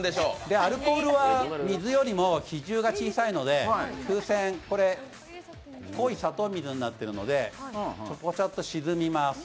アルコールは水よりも比重が小さいので風船、濃い砂糖水になってるのでぽちゃっと沈みます。